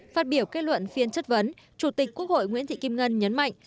phát biểu kết luận phiên chất vấn chủ tịch quốc hội nguyễn thị kim ngân nhấn mạnh